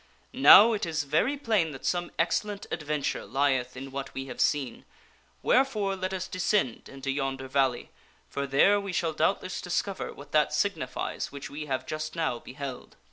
Now, it is very plain that some ex cellent adventure lieth in what we have seen, wherefore let us descend into yonder valley, for there we shall doubtless discover what that signifies which we have just now beheld.